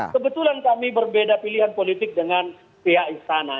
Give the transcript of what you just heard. kebetulan kami berbeda pilihan politik dengan pihak istana